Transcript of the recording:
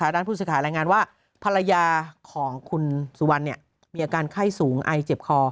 ด้านพฤศิษฐาแรงงานว่าภรรยาของคุณสุวรรณมีอาการไข้สูงไอเจ็บคอ